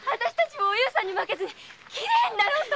おゆうさんに負けずにきれいになろうと。